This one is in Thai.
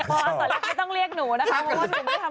บอกอาสอลักษณ์ไม่ต้องเรียกหนูนะครับ